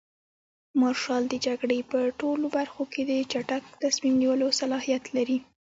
مارشال د جګړې په ټولو برخو کې د چټک تصمیم نیولو صلاحیت لري.